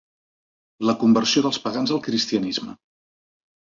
La conversió dels pagans al cristianisme.